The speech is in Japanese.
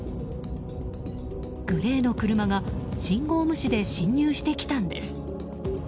グレーの車が信号無視で進入してきたんです。